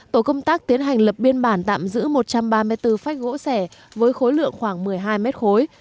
tổ công tác tiến hành lập biên bản tạm giữ một trăm ba mươi bốn phách gỗ sẻ với khối lượng khoảng một mươi hai mét khối